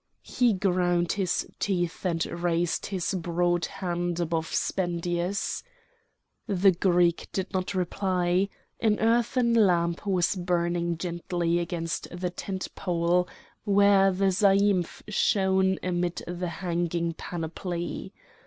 He ground his teeth and raised his broad hand above Spendius. The Greek did not reply. An earthen lamp was burning gently against the tent pole, where the zaïmph shone amid the hanging panoply.